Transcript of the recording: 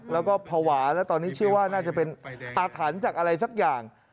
แล้วก็ภาวะแล้วตอนนี้เชื่อว่าน่าจะเป็นอาถรรพ์จากอะไรสักอย่าง